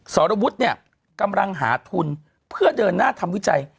สรวุฒิเนี่ยกำลังหาทุนเพื่อเดินหน้าทำวิจัย